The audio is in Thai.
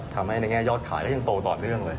ทำให้ในแง่ยอดขายก็ยังโตต่อเนื่องเลย